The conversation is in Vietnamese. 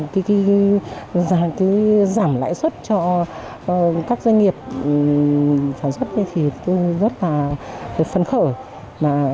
cái giảm lãi suất cho các doanh nghiệp sản xuất thì tôi rất là phấn khởi